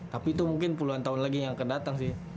tapi itu mungkin puluhan tahun lagi yang akan datang sih